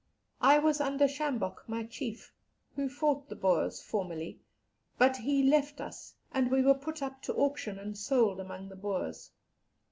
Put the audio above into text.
"I was under Shambok, my chief, who fought the Boers formerly, but he left us, and we were put up to auction and sold among the Boers.